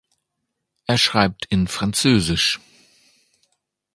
Er schreibt in Französisch.